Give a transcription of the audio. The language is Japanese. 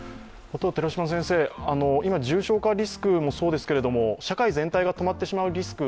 今重症化リスクもそうですけれども、社会全体が止まってしまうリスク